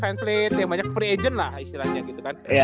iya fanflit ya banyak free agent lah istilahnya gitu kan